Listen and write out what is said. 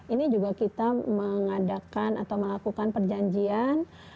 ini juga kita mengadakan atau melakukan perjanjian